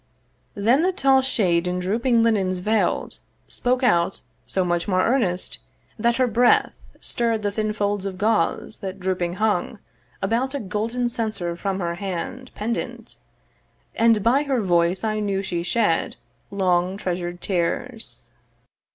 Then the tall shade, in drooping linens veil'd, Spoke out, so much more earnest, that her breath Stirr'd the thin folds of gauze that drooping hung About a golden censer from her hand Pendent; and by her voice I knew she shed Long treasured tears.